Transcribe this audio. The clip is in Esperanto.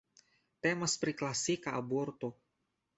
Temas pri klasika aborto.